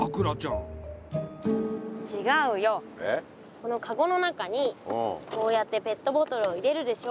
このカゴの中にこうやってペットボトルを入れるでしょ。